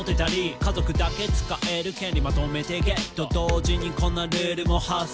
「家族だけ使える権利まとめてゲット」「同時にこんなルールも発生」